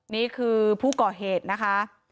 นี่คือผู้ก่อเหตุนะคะ